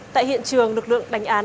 tại hiện trường lực lượng đánh án